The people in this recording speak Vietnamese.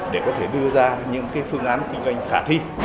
để có thể đưa ra những phương án kinh doanh khả thi